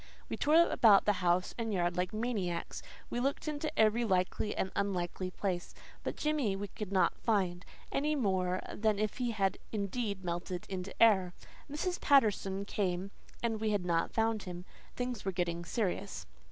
We tore about the house and yard like maniacs; we looked into every likely and unlikely place. But Jimmy we could not find, anymore than if he had indeed melted into air. Mrs. Patterson came, and we had not found him. Things were getting serious.